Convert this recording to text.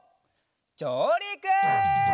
じょうりく！